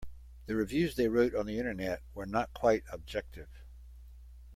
The reviews they wrote on the Internet were not quite objective.